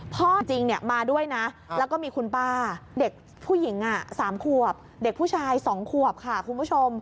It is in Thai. พ่อจริงมาด้วยนะแล้วก็มีคุณป้าเด็กผู้หญิง๓ขวบเด็กผู้ชาย๒ขวบค่ะคุณผู้ชม